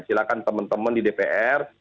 silahkan teman teman di dpr